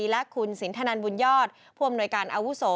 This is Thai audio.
และคุณสินทนันบุญยอดผู้อำนวยการอาวุโส